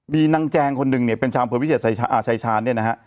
มีนางแจงคนหนึ่งเนี่ยเป็นชาวอำเภอวิเศษชายชาชายชาญเนี่ยนะฮะ